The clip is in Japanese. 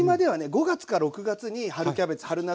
５月か６月に春キャベツ春夏